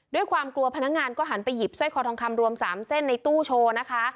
ด้วยความกลัวพนักงานก็หันไปหยิบสร้อยคอทองคำรวม๓เส้นในตู้โชว์นะคะ